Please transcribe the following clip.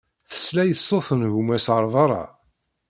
Tesla i ṣṣut n gma-s ar beṛṛa.